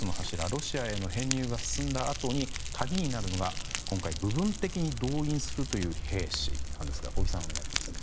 ロシアへの編入が進んだあとに鍵になるのが、今回部分的に動員する兵士なんですが小木さん、お願いします。